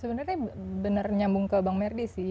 sebenarnya benar nyambung ke bang merdi sih